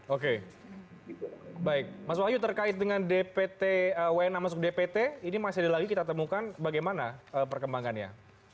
oke baik mas wahyu terkait dengan dpt wna masuk dpt ini masih ada lagi kita temukan bagaimana perkembangannya